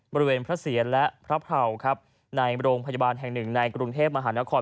บริเวณพระเสียรและพระเผาครับในโรงพยาบาลแห่งหนึ่งในกรุงเทพมหานคร